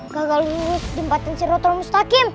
gagal lurus jembatan sirotol mustaqim